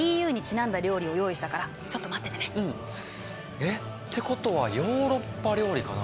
えっってことはヨーロッパ料理かな？